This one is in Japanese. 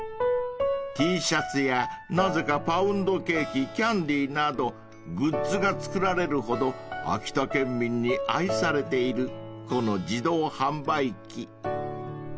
［Ｔシャツやなぜかパウンドケーキキャンディーなどグッズが作られるほど秋田県民に愛されているこの自動販売機］